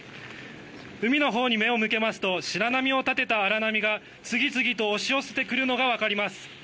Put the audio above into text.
海のほうに目を向けますと白波を立てた荒波が次々と押し寄せてくるのが分かります。